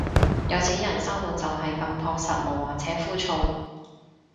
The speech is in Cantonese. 有錢人生活就係咁樸實無華且枯燥